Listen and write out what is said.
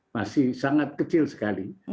masih sangat kecil sekali